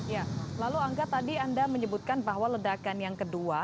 ya lalu angga tadi anda menyebutkan bahwa ledakan yang kedua